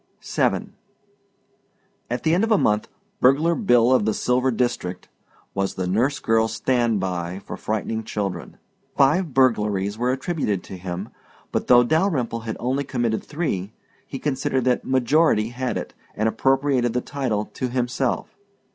VII At the end of a month "Burglar Bill of the Silver District was the nurse girl's standby for frightening children. Five burglaries were attributed to him, but though Dalyrimple had only committed three, he considered that majority had it and appropriated the title to himself.